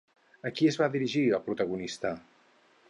A qui es va dirigir el protagonista?